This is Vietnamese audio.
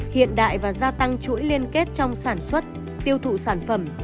hiện đại và gia tăng chuỗi liên kết trong sản xuất tiêu thụ sản phẩm